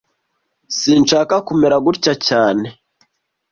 Sinshaka kumera gutya cyane